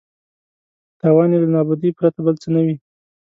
تاوان یې له نابودۍ پرته بل څه نه وي.